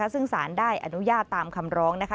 ซึ่งสารได้อนุญาตตามคำร้องนะคะ